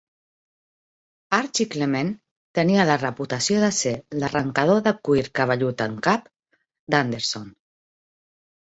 Archie Clement tenia la reputació de ser "l'arrencador de cuir cabellut en cap" d'Anderson.